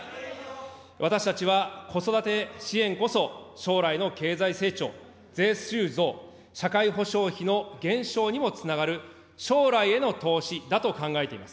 私たちは子育て支援こそ将来の経済成長、税収増、社会保障費の減少にもつながる将来への投資だと考えています。